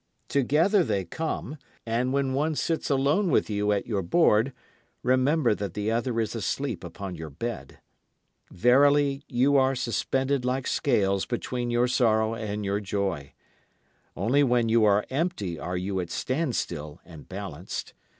Together they come, and when one sits alone with you at your board, remember that the other is asleep upon your bed. Verily you are suspended like scales between your sorrow and your joy. Only when you are empty are you at standstill and balanced.